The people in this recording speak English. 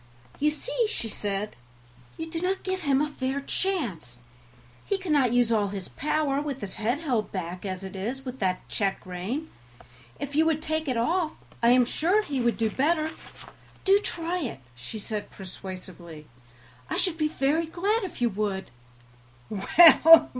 "You see," she said, "you do not give him a fair chance; he cannot use all his power with his head held back as it is with that check rein; if you would take it off I am sure he would do better do try it," she said persuasively, "I should be very glad if you would."